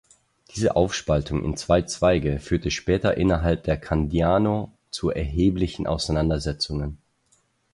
Diese Aufspaltung in zwei Zweige führte später innerhalb der Candiano zu erheblichen Auseinandersetzungen.